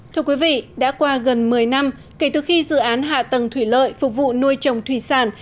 thưa quý vị đã qua gần một mươi năm kể từ khi dự án hạ tầng thủy lợi phục vụ nuôi trồng thủy sản